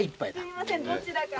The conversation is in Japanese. すいませんどちらか。